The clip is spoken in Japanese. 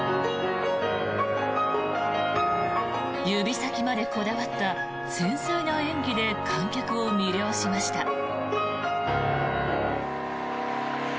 指先までこだわった繊細な演技で観客を魅了しました。